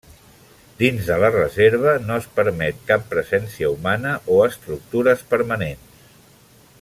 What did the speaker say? Dins de la reserva no es permet cap presència humana o estructures permanents.